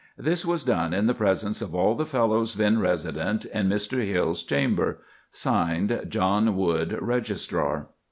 This was done in the presence of all the fellows then resident, in Mr. Hill's chamber. "[Signed] JOHN WOOD, Registrar."